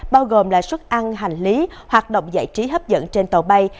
bao gồm là suất ăn hành lý hoạt động giải trí hấp dẫn trên tàu bay